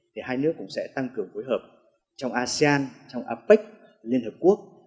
thì hai nước cũng sẽ tăng cường phối hợp trong asean trong apec liên hợp quốc